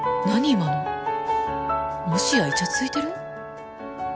今のもしやイチャついてる？